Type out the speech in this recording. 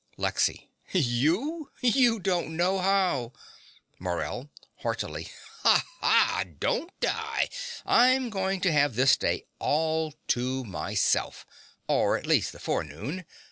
LEXY. You! You don't know how. MORELL (heartily). Ha! ha! Don't I? I'm going to have this day all to myself or at least the forenoon.